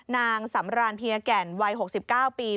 นางสำรานเพียแก่นวัย๖๙ปี